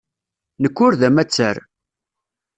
Nekk ur d amattar.